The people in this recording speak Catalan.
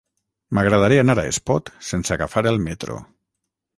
M'agradaria anar a Espot sense agafar el metro.